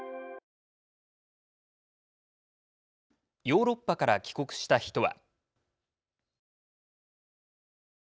ヨーロッパから帰国した人は。